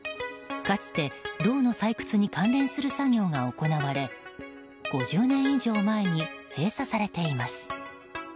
かつて銅の採掘に関連する作業が行われ５０年以上前に閉鎖されています。